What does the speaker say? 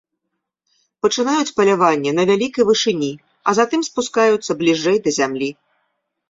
Пачынаюць паляванне на вялікай вышыні, а затым спускаюцца бліжэй да зямлі.